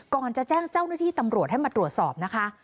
ก่อนจะแจ้งเจ้าหน้าที่ตำรวจให้มาตรวจสอบนะคะ